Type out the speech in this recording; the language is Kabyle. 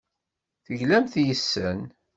Teglamt yes-sen.